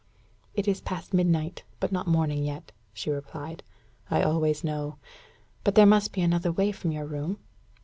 "It is past midnight, but not morning yet," she replied, "I always know. But there must be another way from your room?"